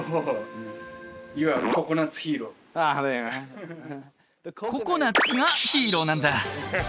おおココナッツがヒーローなんだ